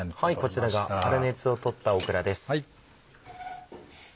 こちらが粗熱を取ったオクラです。